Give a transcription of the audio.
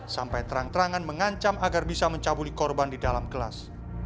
sampai terang terangan mengancam agar bisa mencabuli korban di dalam kelas